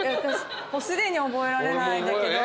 すでに覚えられないんだけど。